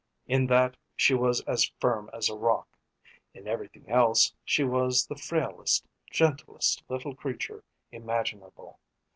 In that she was as firm as a rock; in everything else she was the frailest, gentlest little creature imaginable.